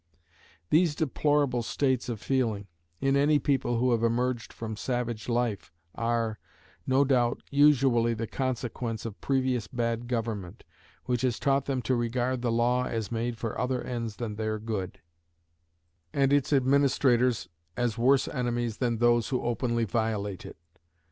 These deplorable states of feeling, in any people who have emerged from savage life, are, no doubt, usually the consequence of previous bad government, which has taught them to regard the law as made for other ends than their good, and its administrators as worse enemies than those who openly violate it.